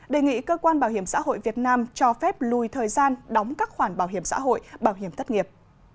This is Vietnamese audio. đề nghị cơ quan bảo hiểm xã hội việt nam cho phép lùi thời gian đóng các khoản bảo hiểm xã hội bảo hiểm thất nghiệp